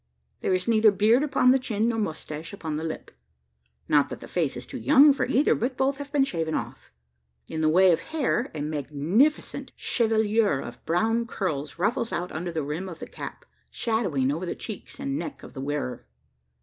There is neither beard upon the chin, nor moustache upon the lip not that the face is too young for either, but both have been shaven off. In the way of hair, a magnificent chevelure of brown curls ruffles out under the rim of the cap, shadowing over the cheeks and neck of the wearer.